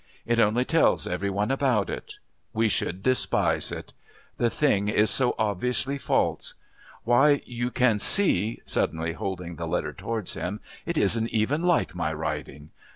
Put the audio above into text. It only tells every one about it. We should despise it. The thing is so obviously false. Why you can see," suddenly holding the letter towards him, "it isn't even like my writing.